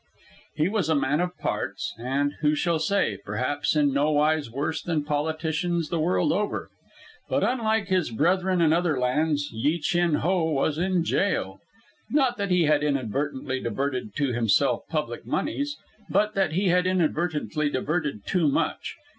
He was a man of parts, and who shall say? perhaps in no wise worse than politicians the world over. But, unlike his brethren in other lands, Yi Chin Ho was in jail. Not that he had inadvertently diverted to himself public moneys, but that he had inadvertently diverted too much.